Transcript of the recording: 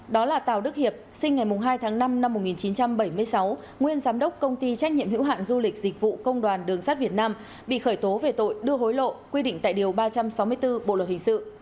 đó là tào đức hiệp sinh ngày hai tháng năm năm một nghìn chín trăm bảy mươi sáu nguyên giám đốc công ty trách nhiệm hữu hạn du lịch dịch vụ công đoàn đường sát việt nam bị khởi tố về tội đưa hối lộ quy định tại điều ba trăm sáu mươi bốn bộ luật hình sự